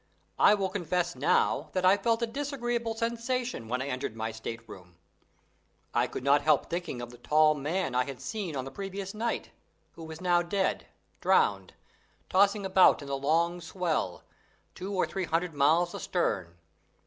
I will confess now that I felt a disagreeable sensation when I entered my state room. I could not help thinking of the tall man I had seen on the previous night, who was now dead, drowned, tossing about in the long swell, two or three hundred miles astern.